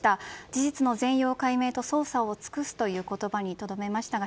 事実の全容解明捜査を尽くすということにとどめましたが